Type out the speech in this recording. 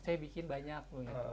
saya bikin banyak